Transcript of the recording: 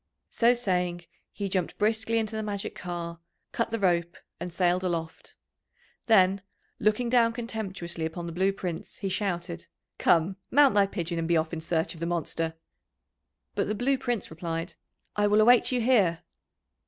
So saying he jumped briskly into the magic car, cut the rope, and sailed aloft. Then, looking down contemptuously upon the Blue Prince, he shouted: "Come, mount thy pigeon, and be off in search of the monster." But the Blue Prince replied, "I will await you here."